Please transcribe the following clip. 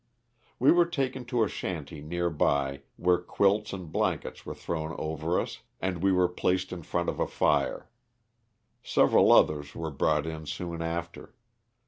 We were taken to a shanty near by where quilts and blankets were thrown over us and we were placed in 204 LOSS OF THE SULTANA. front of a fire. Several others were brought in soon after.